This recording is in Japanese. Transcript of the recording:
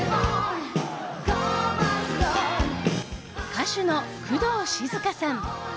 歌手の工藤静香さん。